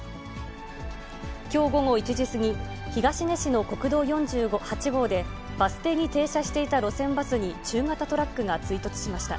きょう午後１時過ぎ、東根市の国道４８号で、バス停に停車していた路線バスに中型トラックが追突しました。